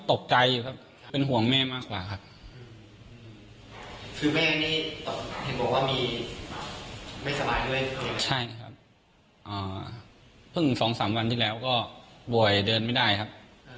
ที่ถ่ายชุดใหญ่รอบที่๒แล้วแม่คือไม่ถ่ายครับ